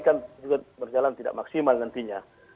yang baik kan juga berjalan tidak maksimal nantinya